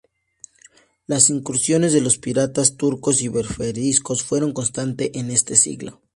Las incursiones de los piratas turcos y berberiscos fueron constantes en este siglo.